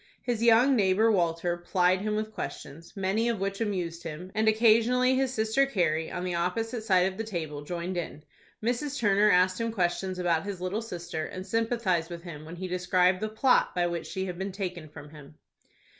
His young neighbor, Walter, plied him with questions, many of which amused him, and occasionally his sister Carrie, on the opposite side of the table, joined in. Mrs. Turner asked him questions about his little sister, and sympathized with him when he described the plot by which she had been taken from him.